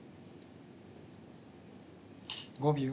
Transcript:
５秒。